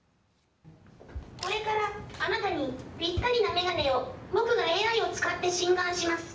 これから、あなたにぴったりな眼鏡を僕がＡＩを使って診断します。